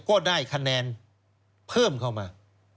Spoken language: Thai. ก็ได้คะแนนเพิ่มเข้ามา